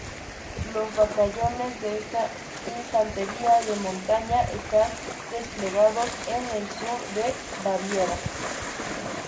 Los batallones de esta infantería de montaña están desplegados en el sur de Baviera.